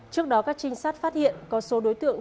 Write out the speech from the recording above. trước đó các trinh sát phát hiện có số đối tượng